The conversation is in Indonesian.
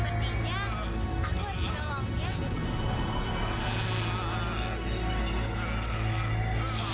kamu mengajakku ke tempat yang baik ya